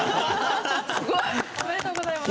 すごい！おめでとうございます。